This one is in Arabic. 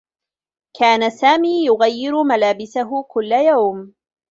كان سامي يغيّر ملابسه كلّ يوم.